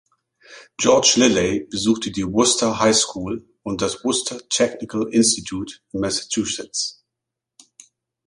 George Lilley besuchte die "Worcester High School" und das "Worcester Technical Institute" in Massachusetts.